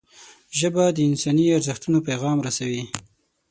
ژبه د انساني ارزښتونو پیغام رسوي